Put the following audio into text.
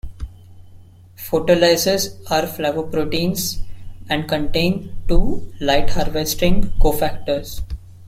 Photolyases are flavoproteins and contain two light-harvesting cofactors.